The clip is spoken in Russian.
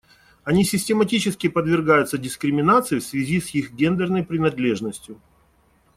Они систематически подвергаются дискриминации в связи с их гендерной принадлежностью.